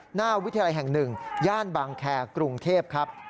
หน้าวิทยาลัยแห่ง๑ย่านบางแคร์กรุงเทพครับ